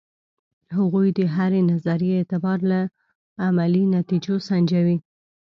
هغوی د هرې نظریې اعتبار له عملي نتیجو سنجوي.